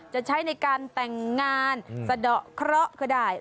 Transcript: จะใช้ในการแต่งงานสะดอกเคราะห์ก็ได้